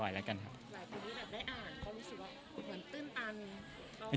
หลายคนที่แบบได้อ่านก็รู้สึกว่าเหมือนตื้นตันเอา